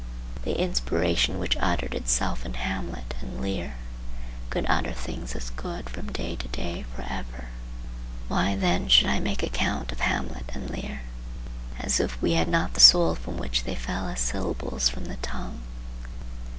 The inspiration which uttered itself in Hamlet and Lear could utter things as good from day to day for ever. Why then should I make account of Hamlet and Lear, as if we had not the soul from which they fell as syllables from the tongue?